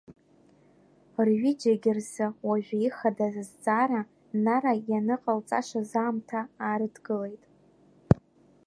Рҩыџьегь рзы уажәы ихадаз азҵаара Нара ианыҟалҵашаз аамҭа аарыдгылеит.